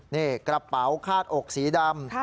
นี่กระเป๋าคาดอกสีดำ